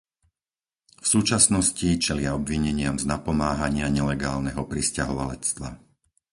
V súčasnosti čelia obvineniam z napomáhania nelegálneho prisťahovalectva.